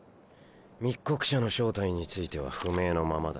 密告者の正体については不明のままだ。